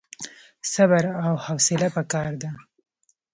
صبر او حوصله پکار ده